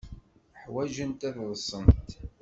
Ḥwajent ad ḍḍsent.